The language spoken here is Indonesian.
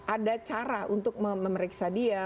ada cara untuk memeriksa dia